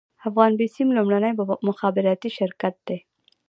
افغان بیسیم لومړنی مخابراتي شرکت دی